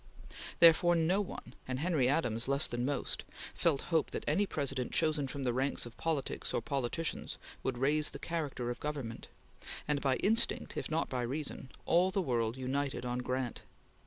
Therefore no one, and Henry Adams less than most, felt hope that any President chosen from the ranks of politics or politicians would raise the character of government; and by instinct if not by reason, all the world united on Grant.